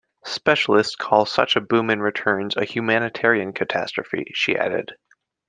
"Specialists call such a boom in returns a humanitarian catastrophe," she added.